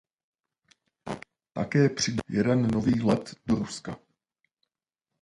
Také přidala jeden nový let do Ruska.